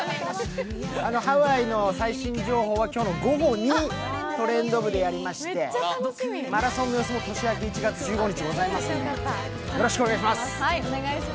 ハワイの最新情報は今日の午後に「トレンド部」でやりまして、マラソンの放送は１２月１５日にありますので、よろしくお願いします。